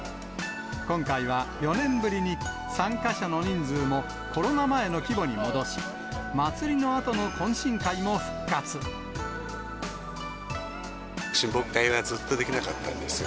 今回は４年ぶりに参加者の人数もコロナ前の規模に戻し、親睦会がずっとできなかったんですよ。